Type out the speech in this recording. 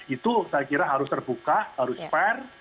itu saya kira harus terbuka harus fair